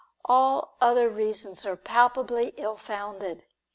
All other reasons are palpably ill founded.